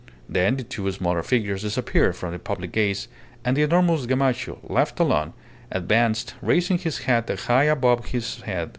Then the two smaller figures disappeared from the public gaze and the enormous Gamacho, left alone, advanced, raising his hat high above his head.